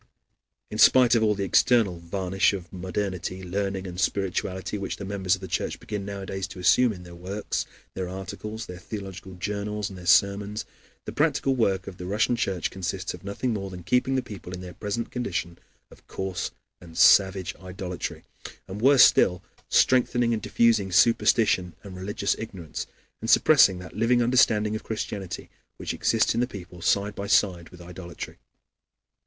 In spite of all the external varnish of modernity, learning, and spirituality which the members of the Church begin nowadays to assume in their works, their articles, their theological journals, and their sermons, the practical work of the Russian Church consists of nothing more than keeping the people in their present condition of coarse and savage idolatry, and worse still, strengthening and diffusing superstition and religious ignorance, and suppressing that living understanding of Christianity which exists in the people side by side with idolatry.